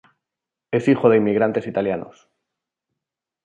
Es hijo de inmigrantes italianos.